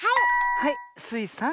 はいスイさん。